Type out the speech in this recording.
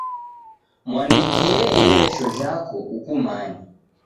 Mwandikie ieresho jhako ukumanye